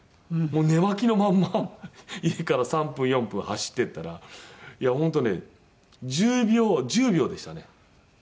もう寝間着のまんま家から３分４分走ってったらいや本当ね１０秒１０秒でしたね。